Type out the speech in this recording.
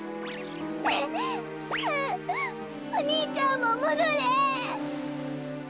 うお兄ちゃんももどれ。